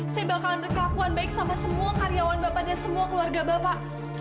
saya bakalan berkelakuan baik sama semua karyawan bapak dan semua keluarga bapak